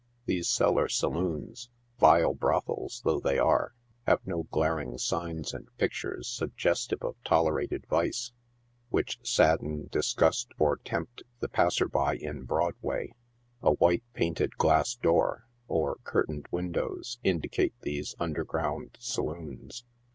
These cellar saloons, vile brothels though they are, have no glaring signs and pictures suggestive of tolerated vice, which sadden, disgust or tempt the passer by in Broadway. A white painted glass door, or curtained windows, indicate these un derground saloons.